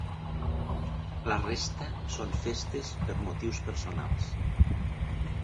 La resta són festes per motius personals.